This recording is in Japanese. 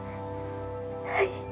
はい。